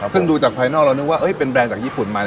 ซึ่งดูจากภายนอกเรานึกว่าเป็นแบรนด์จากญี่ปุ่นมา